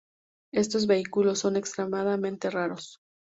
Estos vehículos son extremadamente raros.